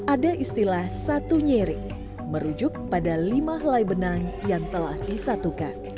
ada istilah satu nyeri merujuk pada lima helai benang yang telah disatukan